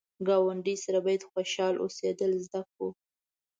ګاونډي سره باید خوشحال اوسېدل زده کړو